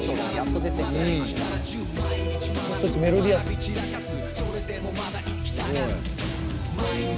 そしてメロディアス！